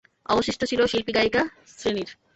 অবশিষ্ট ছিল শিল্পী-গায়িকা শ্রেণীর।